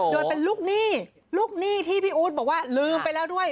โดยเป็นลูกหนี้ลูกหนี้ที่พี่อู๊ดบอกว่าลืมไปแล้วด้วย